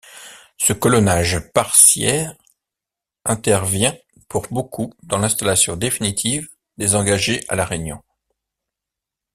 Ce colonage partiaire intervient pour beaucoup dans l'installation définitive des engagés à la Réunion.